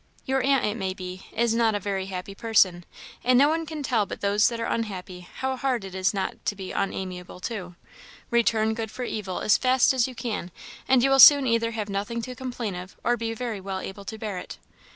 Your aunt, it may be, is not a very happy person, and no one can tell but those that are unhappy how hard it is not to be unamiable too. Return good for evil as fast as you can, and you will soon either have nothing to complain of or be very well able to bear it."